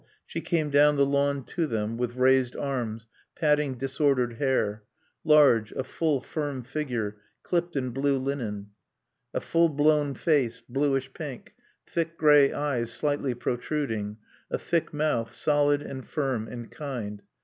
She came down the lawn to them, with raised arms, patting disordered hair; large, a full, firm figure clipped in blue linen. A full blown face, bluish pink; thick gray eyes slightly protruding; a thick mouth, solid and firm and kind.